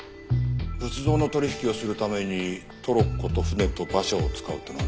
仏像の取引をするためにトロッコと船と馬車を使うっていうのはな。